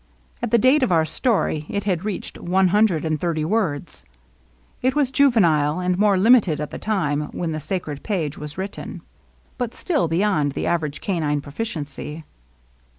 At the date of our story it had reached one hun dred and thirty words. It was juvenile and more 8 LOVELINESS. limited at the time when the sacred page was writ ten^ but still beyond the average canine proficiency.